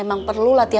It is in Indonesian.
dan turun lagi